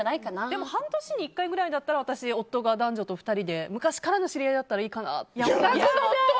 でも半年に１回くらいだったら夫が男女２人で昔からの知り合いだったらいいかなって。